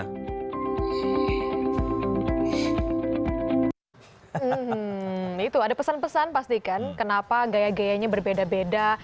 hmm itu ada pesan pesan pastikan kenapa gaya gayanya berbeda beda